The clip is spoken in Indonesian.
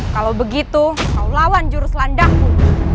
kalau begitu kau lawan jurus landahmu